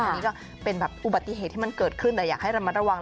อันนี้ก็เป็นแบบอุบัติเหตุที่มันเกิดขึ้นแต่อยากให้ระมัดระวัง